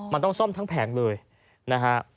มันต้องซ่อมทั้งแผงเลยนะฮะ